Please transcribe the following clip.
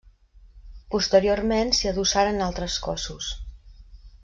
Posteriorment s'hi adossaren altres cossos.